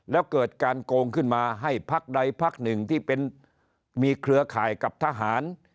แล้วเกิดการโกงขึ้นมาให้พักใดพักหนึ่งที่เป็นมีเครือข่ายกับทหาร